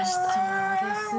そうですね。